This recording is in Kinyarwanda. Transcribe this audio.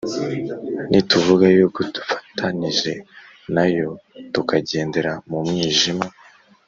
Ni tuvuga yuko dufatanije na Yo, tukagendera mu mwijima,